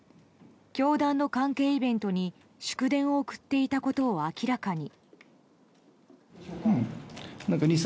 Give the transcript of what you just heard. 教団の関係イベントに祝電を送っていたことを明らかに。